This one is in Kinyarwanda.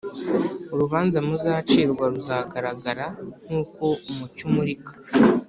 Urubanza muzacirwa ruzagaragara nk uko umucyo umurika